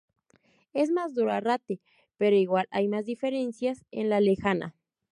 Es más duro Arrate, pero igual hay más diferencias en la Lejana"".